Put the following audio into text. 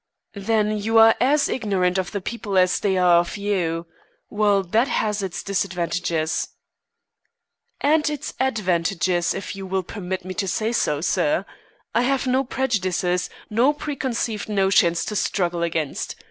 "Then you are as ignorant of the people as they are of you. Well, that has its disadvantages." "And its advantages, if you will permit me to say so, sir. I have no prejudices, no preconceived notions to struggle against.